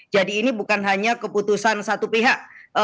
jadi ini bukan hanya keputusan satu pihak